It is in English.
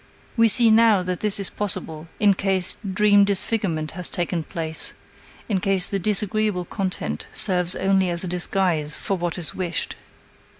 We see now that this is possible in case dream disfigurement has taken place, in case the disagreeable content serves only as a disguise for what is wished.